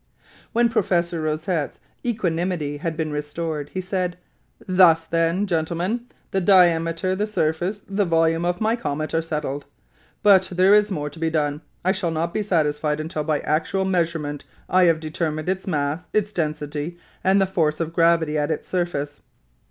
When Professor Rosette's equanimity had been restored, he said, "Thus, then, gentlemen, the diameter, the surface, the volume of my comet are settled; but there is more to be done. I shall not be satisfied until, by actual measurement, I have determined its mass, its density, and the force of gravity at its surface."